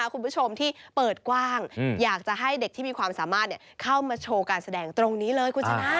คุณผู้ชมที่เปิดกว้างอยากจะให้เด็กที่มีความสามารถเข้ามาโชว์การแสดงตรงนี้เลยคุณชนะ